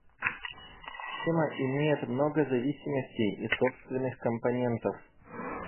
Система имеет много зависимостей и собственных компонентов